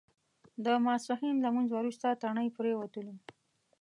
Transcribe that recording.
د ماسپښین لمونځ وروسته تڼۍ پرېوتلو.